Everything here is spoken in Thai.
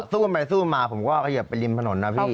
สู้ไปสู้มาผมก็ขยับไปริมถนนนะพี่